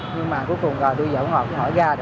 nhưng mà cuối cùng đưa dẫu họ hỏi ra